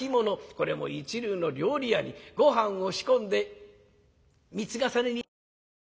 これも一流の料理屋にごはんを仕込んで３つ重ねにいたしましょう。